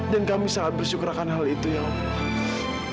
dan kami sangat bersyukur akan hal itu ya allah